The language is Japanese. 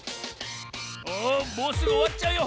おもうすぐおわっちゃうよ。